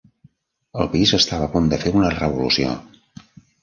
El país estava a punt de fer una revolució.